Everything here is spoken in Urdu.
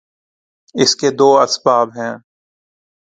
اس کے دو اسباب ہیں۔